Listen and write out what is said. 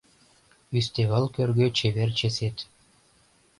Ӱстевал кӧргӧ чевер чесет -